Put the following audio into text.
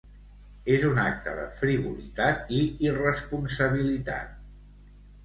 És un acte de frivolitat i irresponsabilitat.